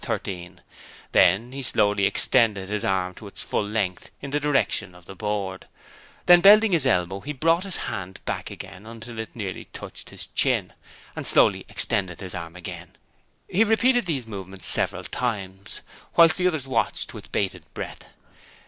13; then he slowly extended his arm to its full length in the direction of the board: then bending his elbow, he brought his hand back again until it nearly touched his chin, and slowly extended his arm again. He repeated these movements several times, whilst the others watched with bated breath.